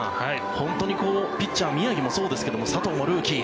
本当にピッチャー、宮城もそうですが佐藤もルーキー。